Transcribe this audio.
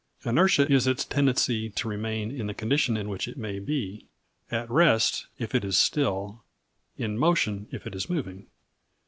Inertia is its tendency to remain in the condition in which it may be: at rest, if it is still; in motion, if it is moving.